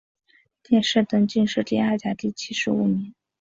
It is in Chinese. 殿试登进士第二甲第七十五名。